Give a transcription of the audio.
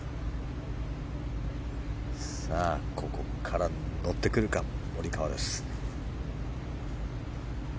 ここから乗ってくるかモリカワです。